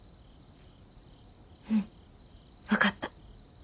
うん分かった。